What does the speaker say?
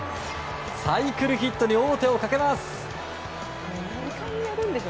サイクルヒットに王手をかけます。